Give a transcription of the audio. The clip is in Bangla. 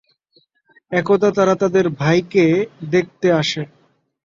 একদা তারা তাদের ভাইকে দেখতে আসে।